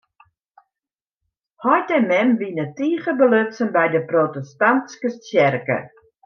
Heit en mem wiene tige belutsen by de protestantske tsjerke.